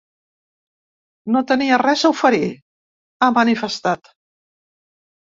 No tenia res a oferir, ha manifestat.